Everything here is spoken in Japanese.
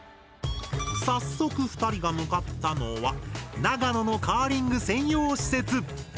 早速２人が向かったのは長野のカーリング専用施設！